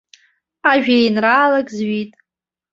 Ажәеинраалак зҩит!